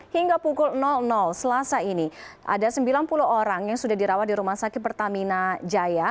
hingga pukul selasa ini ada sembilan puluh orang yang sudah dirawat di rumah sakit pertamina jaya